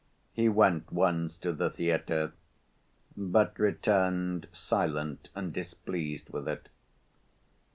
He went once to the theater, but returned silent and displeased with it.